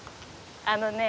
あのね。